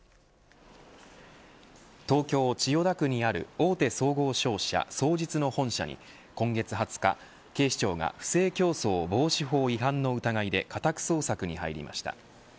東京、千代田区にある大手総合商社双日の本社に今月２０日警視庁が不正競争防止法違反の疑いで家宅捜索に入りました。